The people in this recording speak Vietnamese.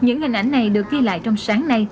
những hình ảnh này được ghi lại trong sáng nay